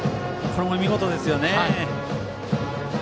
これも見事ですね。